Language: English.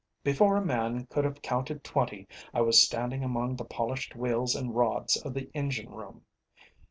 Before a man could have counted twenty I was standing among the polished wheels and rods of the engine room.